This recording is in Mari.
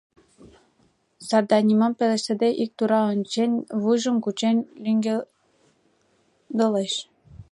Сардай, нимом пелештыде, ик тура ончен, вуйжым кучен лӱҥгедылеш.